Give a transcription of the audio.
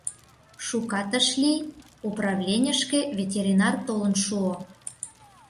Шукат ыш лий, управленьышке ветеринар толын шуо.